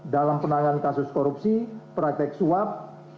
dalam penanganan kasus korupsi praktek suap